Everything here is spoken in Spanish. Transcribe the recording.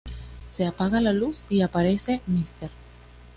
Se apaga la luz y aparece Mr.